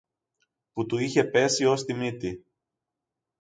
που του είχε πέσει ως τη μύτη